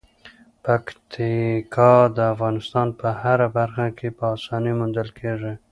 پکتیکا د افغانستان په هره برخه کې په اسانۍ موندل کېږي.